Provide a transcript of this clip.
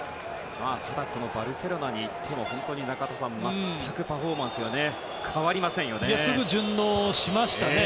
ただ、バルセロナに行っても中田さん、本当に全くパフォーマンスがすぐ順応しましたね。